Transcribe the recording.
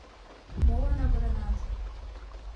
— Молан авыренат?